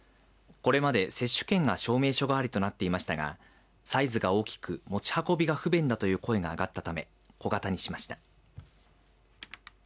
これまで接種券が証明書代わりとなっていましたがサイズが大きく持ち運びが不便だという声が上がったため小型にしました。